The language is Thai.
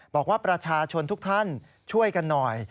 บอกว่าประชาชนทุกท่านช่วยกันหน่อย